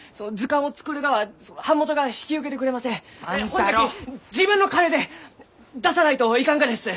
ほんじゃき自分の金で出さないといかんがです！